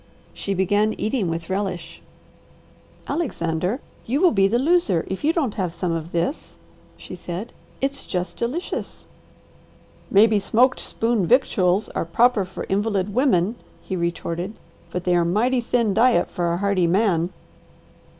She began eating with relish. "Alexander, you will be the loser if you don't have some of this," she said. "It's just delicious!" "Maybe smoked spoon victuals are proper for invalid women," he retorted, "but they are mighty thin diet for a hardy man."